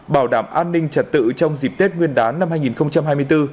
bảo đảm an ninh trật tự trong dịp tết nguyên đán năm hai nghìn hai mươi bốn